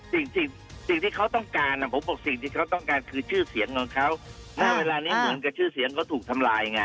สิ่งที่เขาต้องการผมบอกสิ่งที่เขาต้องการคือชื่อเสียงของเขาณเวลานี้เหมือนกับชื่อเสียงเขาถูกทำลายไง